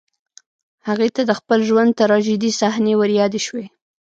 هغې ته د خپل ژوند تراژيدي صحنې وريادې شوې